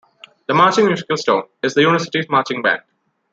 The "Marching Musical Storm" is the university's marching band.